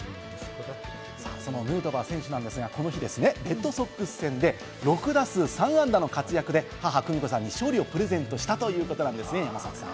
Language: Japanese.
ヌートバー選手なんですが、この日、レッドソックス戦で６打数３安打の活躍で母・久美子さんに勝利をプレゼントしたということなんですね、山里さん。